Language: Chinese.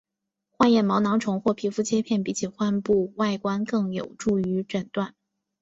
化验毛囊虫或皮肤切片比起患部外观更有助于诊断。